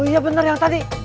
oh iya bener yang tadi